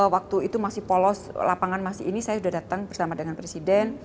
waktu itu masih polos lapangan masih ini saya sudah datang bersama dengan presiden